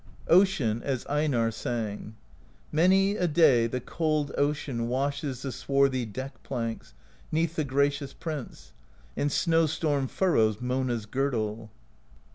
Ocean, as Einarr sang: Many a day the cold Ocean Washes the swarthy deck planks 'Neath the gracious Prince; and Snow Storm Furrows Mona's Girdle.